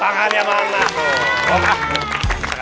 tangan ya mana